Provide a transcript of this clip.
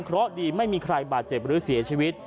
เพราะดีไม่มีใครบาดเจ็บหรือเสียชีวิต